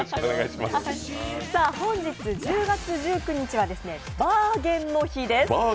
本日１０月１９日はバーゲンの日です。